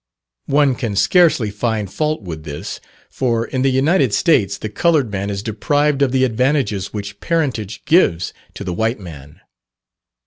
One can scarcely find fault with this, for, in the United States, the coloured man is deprived of the advantages which parentage gives to the white man.